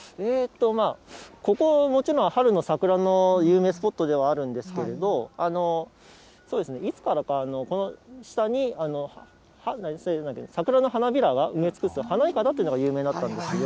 ここ、もちろん春の桜の有名スポットではあるんですけれど、いつからか、この下に桜の花びらが埋め尽くす、花いかだというのが有名になったんですけど。